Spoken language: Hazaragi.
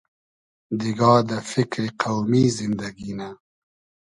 دیگا دۂ فیکری قۆمی زیندئگی نۂ